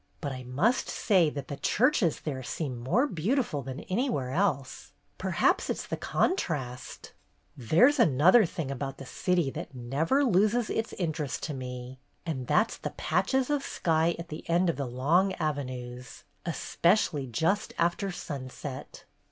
"But I must say that the churches there seem more beautiful than anywhere else. Perhaps it 's the contrast." "There 's another thing about the city that never loses its interest to me, and that 's the MISS JANE ARRIVES 147 patches of sky at the end of the long ave nues, especially just after sunset.